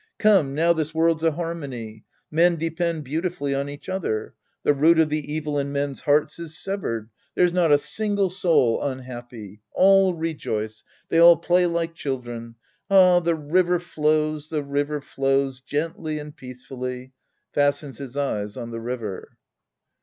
Come, now this world's a harmony. Men depend beautifully on each other. The root of the evil in men's hearts is severed. There's not a single soul unhappy. All rejoice. They all play like children. Ah, the river flows, the river flows. Gently and peacefully. {Fastens his eyes on the river.)